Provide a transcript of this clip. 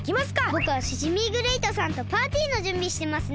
ぼくはシジミーグレイトさんとパーティーのじゅんびしてますね。